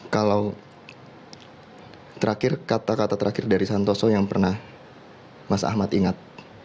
kalau terakhir kata kata terakhir dari santoso yang pernah mas ahmad ingat